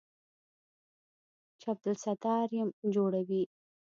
چې عبدالستار بم جوړوي.